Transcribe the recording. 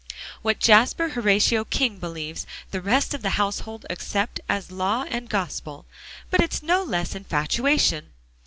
"What Jasper Horatio King believes, the rest of the household accept as law and gospel. But it's no less infatuation."